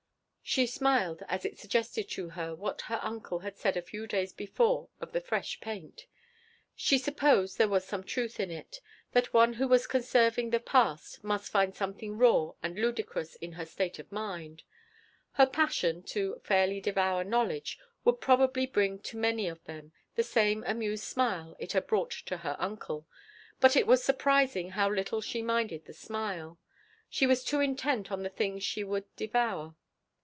She smiled as it suggested to her what her uncle had said a few days before of the fresh paint. She supposed there was some truth in it, that one who was conserving the past must find something raw and ludicrous in her state of mind. Her passion to fairly devour knowledge would probably bring to many of them the same amused smile it had brought to her uncle. But it was surprising how little she minded the smile. She was too intent on the things she would devour.